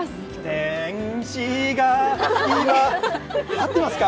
天使が今合ってますか？